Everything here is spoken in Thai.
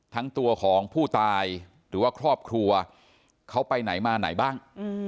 ทั้งตัวของผู้ตายหรือว่าครอบครัวเขาไปไหนมาไหนบ้าง